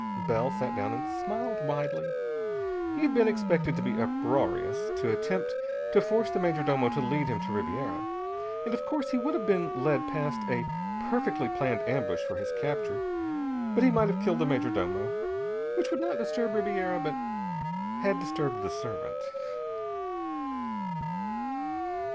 Bell sat down and smiled widely. He had been expected to be uproarious, to attempt to force the major domo to lead him to Ribiera. And, of course, he would have been led past a perfectly planned ambush for his capture but he might have killed the major domo. Which would not disturb Ribiera, but had disturbed the servant.